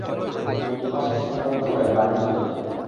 তিনি লুপাসে সংক্রমিত হয়ে বাড়িতে চলে যান।